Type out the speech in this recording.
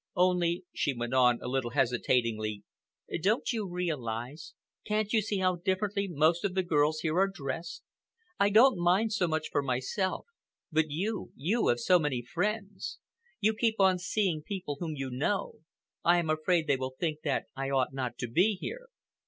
Only," she went on, a little hesitatingly, "don't you realize—can't you see how differently most of the girls here are dressed? I don't mind so much for myself—but you—you have so many friends. You keep on seeing people whom you know. I am afraid they will think that I ought not to be here."